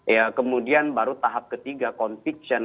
ya kemudian baru tahap ketiga conviction